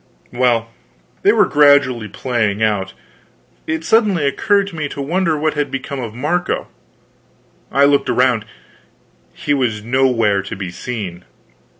Well, while they were gradually playing out, it suddenly occurred to me to wonder what had become of Marco. I looked around; he was nowhere to be seen.